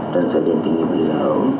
dan saya diampingi beliau